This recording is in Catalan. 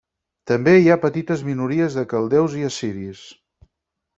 També hi ha petites minories de caldeus i assiris.